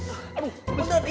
aduh benar dia